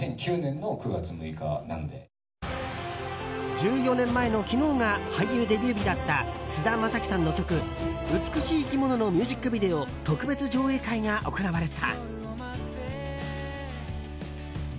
１４年前の昨日が俳優デビュー日だった菅田将暉さんの曲「美しい生き物」のミュージックビデオ特別上映会が行われた。